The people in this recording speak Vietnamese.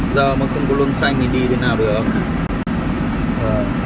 giờ mà không có luôn xanh thì đi thế nào được